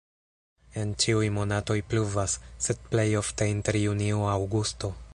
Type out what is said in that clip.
En ĉiuj monatoj pluvas, sed plej ofte inter junio-aŭgusto.